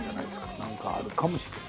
燭あるかもしれない。